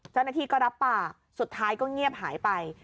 เจ้าหน้าที่ก็รับปากสุดท้ายก็เงียบหายไป